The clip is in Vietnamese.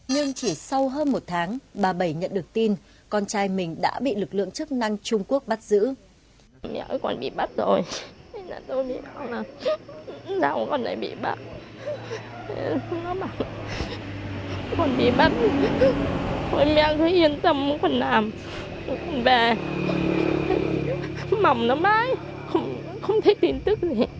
nhưng chỉ sau hơn một tháng bà bẩy nhận được tin con trai mình đã bị lực lượng chức năng trung quốc bắt giữ